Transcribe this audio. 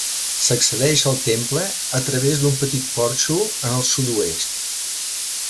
S'accedeix al temple a través d'un petit porxo en el sud-oest.